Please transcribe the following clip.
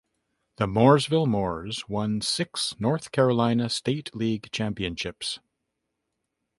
The Mooresville Moors won six North Carolina State League Championships.